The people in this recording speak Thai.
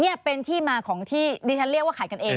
นี่เป็นที่มาของที่ดิฉันเรียกว่าขายกันเอง